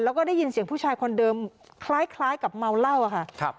แล้วก็ได้ยินเสียงผู้ชายคนเดิมคล้ายกับเมาเหล้าอะค่ะ